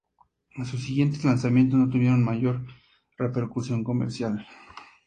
Sus siguientes lanzamientos no tuvieron mayor repercusión comercial.